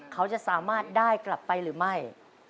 เขาจะสามารถได้กลับไปหรือไม่